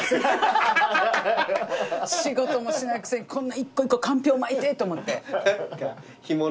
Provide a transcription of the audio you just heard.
仕事もしないくせにこんな一個一個かんぴょう巻いて！って思って。